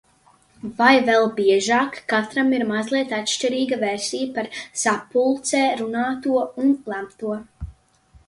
Vai vēl biežāk – katram ir mazliet atšķirīga versija par sapulcē runāto un lemto.